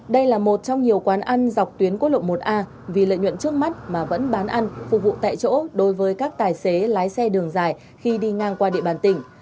đây là một trong nhiều quán ăn dọc tuyến quốc lộ một a vì lợi nhuận trước mắt mà vẫn bán ăn phục vụ tại chỗ đối với các tài xế lái xe đường dài khi đi ngang qua địa bàn tỉnh